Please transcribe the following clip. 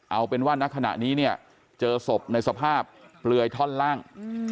เอาเป็นว่าณขณะนี้เนี่ยเจอศพในสภาพเปลือยท่อนล่าง